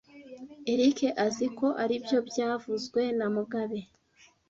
Eric azi ko aribyo byavuzwe na mugabe